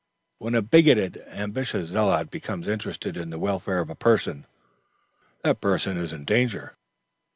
When a bigoted, ambitious zealot becomes interested in the welfare of a person, that person is in danger.